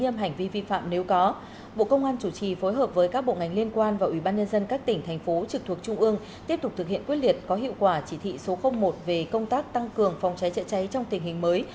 thành phố trực thuộc trung ương tiếp tục thực hiện quyết liệt có hiệu quả chỉ thị số một về công tác tăng cường phòng cháy chạy cháy trong tình hình mới